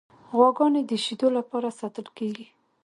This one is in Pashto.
غواګانې د شیدو لپاره ساتل کیږي.